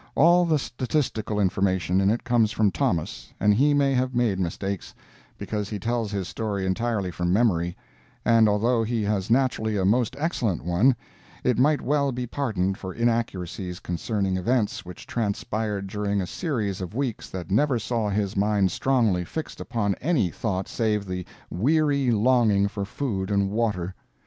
All the statistical information in it comes from Thomas, and he may have made mistakes, because he tells his story entirely from memory, and although he has naturally a most excellent one, it might well be pardoned for inaccuracies concerning events which transpired during a series of weeks that never saw his mind strongly fixed upon any thought save the weary longing for food and water.